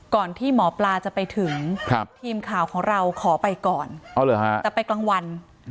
ที่หมอปลาจะไปถึงทีมข่าวของเราขอไปก่อนแต่ไปกลางวัน